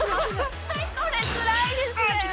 ◆これつらいですね！